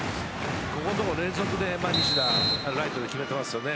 ここのところ連続で西田、ライトに決めてますね。